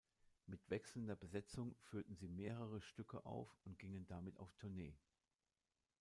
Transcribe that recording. Mit wechselnder Besetzung führten sie mehrere Stücke auf und gingen damit auf Tournee.